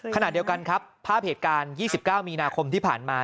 ขณะเดียวกันครับภาพเหตุการณ์๒๙มีนาคมที่ผ่านมา